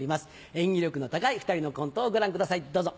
演技力の高い２人のコントをご覧くださいどうぞ。